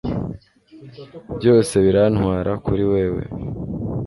byose birantwara kuri wewe